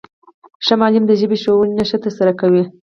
ښه معلم د ژبي ښوونه ښه ترسره کوي.